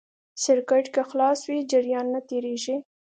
سرکټ که خلاص وي جریان نه تېرېږي.